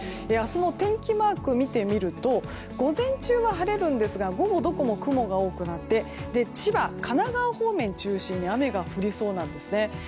明日の天気マークを見てみると午前中は晴れるんですが午後、どこも雲が多くなって千葉、神奈川方面中心に雨が降りそうです。